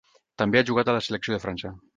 També ha jugat a la selecció de França.